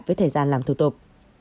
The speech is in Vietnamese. với thời gian làm thủ tục